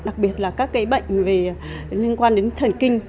các bệnh liên quan đến thần kinh